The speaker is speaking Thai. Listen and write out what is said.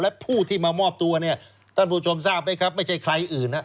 และผู้ที่มามอบตัวเนี่ยท่านผู้ชมทราบไหมครับไม่ใช่ใครอื่นฮะ